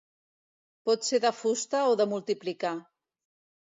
Pot ser de fusta o de multiplicar.